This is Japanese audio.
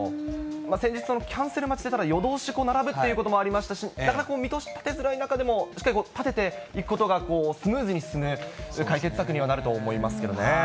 先日のキャンセル待ちで夜通し並ぶということもありましたし、だから、見通し立てづらい中でも、しっかり立てていくことが、スムーズに進む解決策にはなると思いますけどね。